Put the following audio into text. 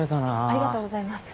ありがとうございます。